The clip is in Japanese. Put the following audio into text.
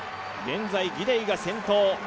現在、ギデイが先頭。